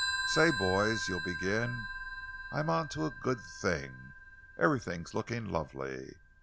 'Say, boys,' you'll begin, 'I'm on to a good thing! Everything's looking lovely.